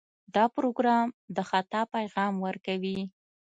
دا پروګرام د خطا پیغام ورکوي.